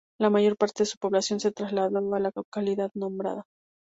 La mayor parte de su población se trasladó a la localidad nombrada.